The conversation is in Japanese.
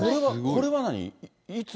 これは何？